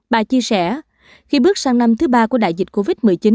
bà chia sẻ khi bước sang năm thứ ba của đại dịch covid một mươi chín